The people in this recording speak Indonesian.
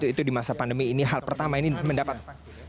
itu di masa pandemi ini hal pertama ini mendapat